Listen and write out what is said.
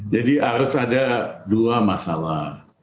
jadi harus ada dua masalah